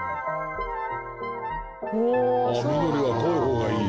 緑が濃い方がいい。